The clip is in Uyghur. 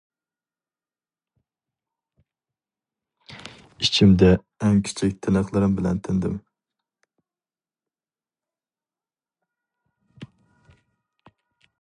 ئىچىمدە ئەڭ كىچىك تىنىقلىرىم بىلەن تىندىم.